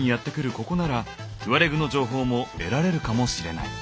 ここならトゥアレグの情報も得られるかもしれない。